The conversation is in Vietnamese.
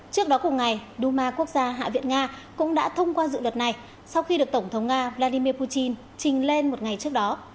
trước đó cùng ngày duma quốc gia hạ viện nga cũng đã thông qua dự luật này sau khi được tổng thống nga vladimir putin trình lên một ngày trước đó